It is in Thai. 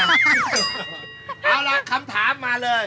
เอาล่ะคำถามมาเลย